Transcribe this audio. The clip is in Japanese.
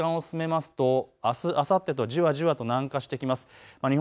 このあと時間を進めますとあす、あさってとじわじわと南下してきます。